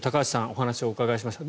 お話をお伺いしました。